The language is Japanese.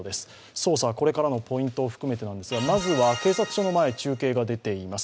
捜査、これからのポイント含めてなんですがまずは警察署前中継が出ております。